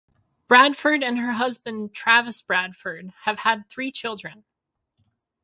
Bradford and her husband Travis Bradford have three children.